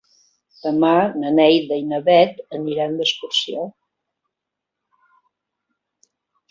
Demà na Neida i na Bet aniran d'excursió.